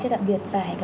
chủ học hà nội